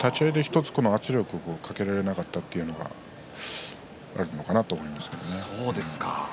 立ち合いで１つ圧力をかけられなかったというのがあるのかなと思います。